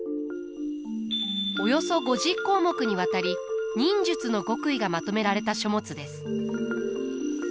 およそ５０項目にわたり忍術の極意がまとめられた書物です。